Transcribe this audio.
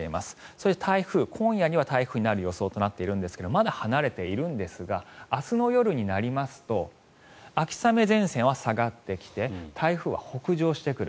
そして台風、今夜には台風になる予想となっているんですがまだ離れているんですが明日の夜になりますと秋雨前線は下がってきて台風は北上してくる。